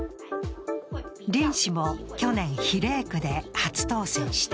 林氏も去年、比例区で初当選した。